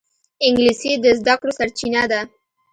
انګلیسي د زده کړو سرچینه ده